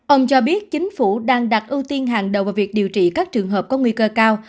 ông cho biết chính phủ đang đặt ưu tiên hàng đầu vào việc điều trị các trường hợp có nguy cơ cao